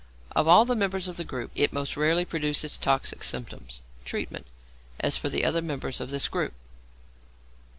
Of all the members of the group, it most rarely produces toxic symptoms. Treatment. As for the other members of this group.